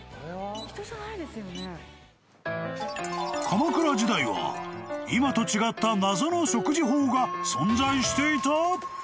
［鎌倉時代は今と違った謎の食事法が存在していた！？］